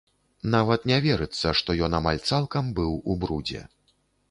Нават не верыцца, што ён амаль цалкам быў у брудзе.